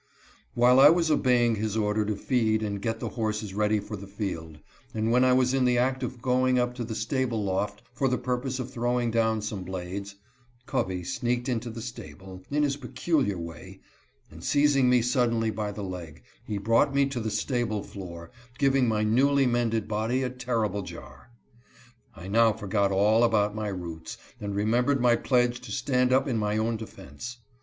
While I was obeying his order to feed and get the horses ready for the field, and when I was in the act of going up the stable loft, for the purpose of throwing down some blades, Covey sneaked into the stable, in his pecul iar way, and seizing me suddenly by the leg, he brought me to the stable floor, giving my newly mended body a terrible jar. I now forgot all about my roots, and remem bered my pledge to stand up in my own defense.